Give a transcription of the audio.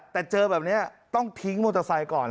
แต่เจอแบบนี้ต้องทิ้งมอเตอร์ไซค์ก่อน